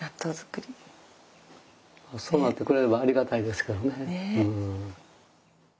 そうなってくれればありがたいですけどね。